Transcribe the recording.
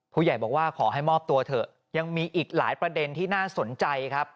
ผู้ใหญ่บอกว่าขอให้มอบตัวเถอะยังมีอีกหลายประเด็นที่น่าสนใจครับ